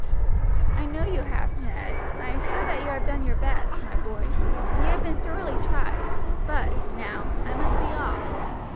"I know you have, Ned. I am sure you have done your best, my boy, and you have been sorely tried; but, now, I must be off.